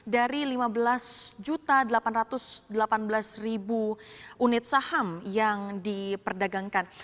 dari lima belas delapan ratus delapan belas unit saham yang diperdagangkan